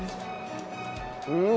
うん！